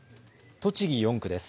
栃木４区です。